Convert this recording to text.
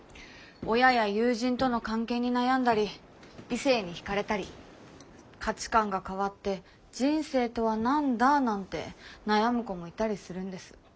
親や友人との関係に悩んだり異性に惹かれたり価値観が変わって「人生とは何だ」なんて悩む子もいたりするんです。